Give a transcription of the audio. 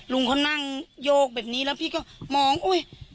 ลุงเขานั่งโยกแบบนี้แล้วพี่ก็มองอุ๊ย